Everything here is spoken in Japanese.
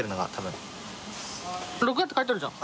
・録画って書いてあるじゃん。